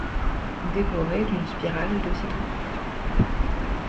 Décorer d'une spirale de citron.